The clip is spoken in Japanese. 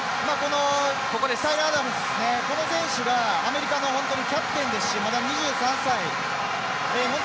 アダムズがアメリカのキャプテンですしまだ２３歳で。